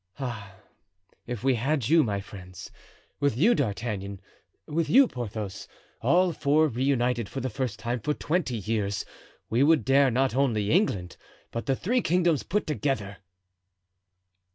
Ah! if we had you, my friends! With you, D'Artagnan, with you, Porthos—all four reunited for the first time for twenty years—we would dare not only England, but the three kingdoms put together!"